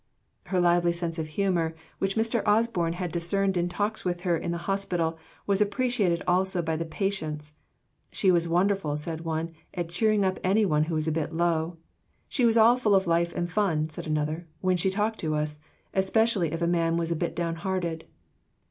Her lively sense of humour, which Mr. Osborne had discerned in talks with her in the hospital, was appreciated also by the patients. "She was wonderful," said one, "at cheering up any one who was a bit low," "She was all full of life and fun," said another, "when she talked to us, especially if a man was a bit down hearted."